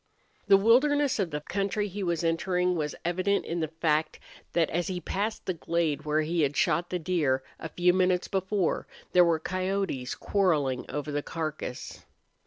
The wilderness of the country he was entering was evident in the fact that as he passed the glade where he had shot the deer a few minutes before, there were coyotes quarreling over the carcass.